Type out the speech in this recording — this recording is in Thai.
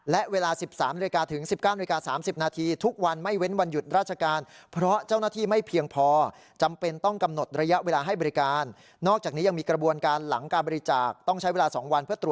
และเวลา๑๓นถึง๑๙น๓๐นาทีทุกวันไม่เว้นวันหยุดราชการ